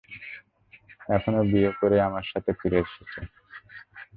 এখন ও বিয়ে করে আমার সাথে ফিরে এসেছে।